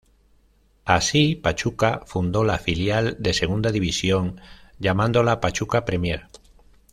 Así, Pachuca fundó la filial de Segunda División llamándola "Pachuca Premier".